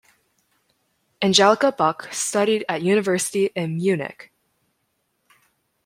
Angelika Buck studied at university in Munich.